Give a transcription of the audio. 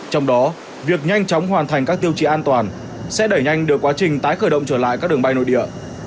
trong đó việc nhanh chóng hoàn thành các tiêu chí an toàn sẽ đẩy nhanh được quá trình tái khởi động trở lại các đường bay nội địa